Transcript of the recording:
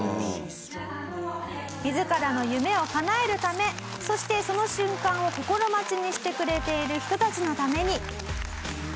自らの夢をかなえるためそしてその瞬間を心待ちにしてくれている人たちのために。